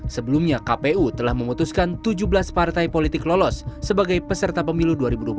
sebelumnya kpu telah memutuskan tujuh belas partai politik lolos sebagai peserta pemilu dua ribu dua puluh